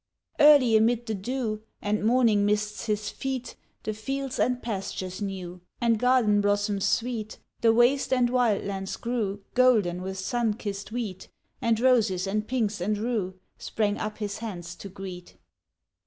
Early amid the dew, And morning mists his feet The fields and pastures knew, And garden blossoms sweet, The waste and wild lands grew Golden with sun kissed wheat, And roses and pinks and rue Sprang up his hands to greet.